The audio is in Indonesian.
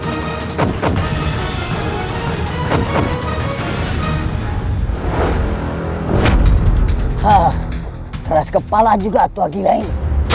erus kepala juga atau lagi lain